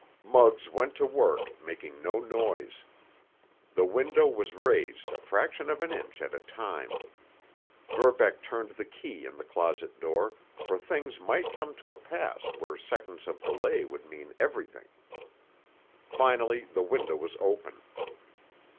Muggs went to work, making no noise. The window was raised a fraction of an inch at a time. Verbeck turned the key in the closet door, for things might come to a pass where seconds of delay would mean everything. Finally the window was open.